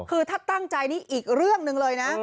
คือถ้าตั้งใจนี่อีกเรื่องหนึ่งเลยนะ